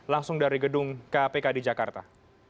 langsung dari gedung kpk di jakarta